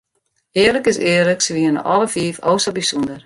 Earlik is earlik, se wienen alle fiif o sa bysûnder.